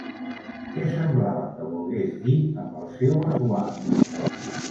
Què semblava que volgués dir amb el seu esguard?